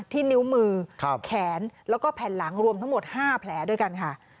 นิ้วมือแขนแล้วก็แผ่นหลังรวมทั้งหมด๕แผลด้วยกันค่ะ